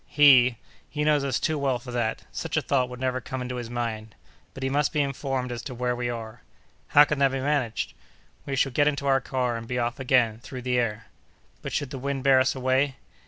"He! He knows us too well for that. Such a thought would never come into his mind. But he must be informed as to where we are." "How can that be managed?" "We shall get into our car and be off again through the air." "But, should the wind bear us away?"